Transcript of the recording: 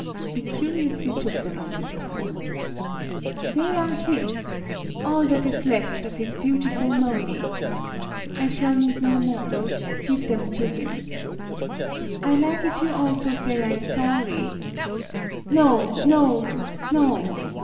He curiously took them on his palm. " They are his, all that is left of his beau tiful moaney. I shall need no more. Give them to him. I lig if you also say I sawry no, no, no!